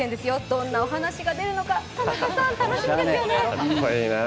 どんなお話が出るのか楽しみですよね。